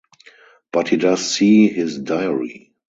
But he does see his diary.